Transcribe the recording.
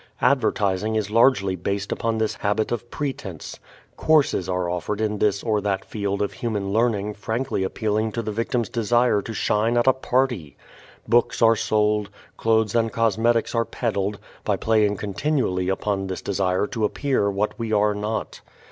Advertising is largely based upon this habit of pretense. "Courses" are offered in this or that field of human learning frankly appealing to the victim's desire to shine at a party. Books are sold, clothes and cosmetics are peddled, by playing continually upon this desire to appear what we are not.